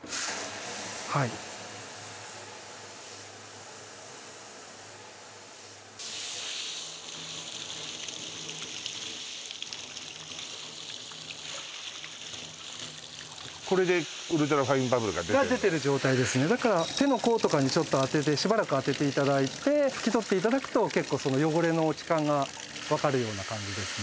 はいこれでウルトラファインバブルが出てるの？が出てる状態ですねだから手の甲とかにちょっと当ててしばらく当てていただいて拭き取っていただくと結構汚れの落ち感が分かるような感じですね